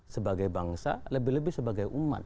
sebagai bangsa lebih lebih sebagai umat